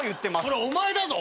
それお前だぞ！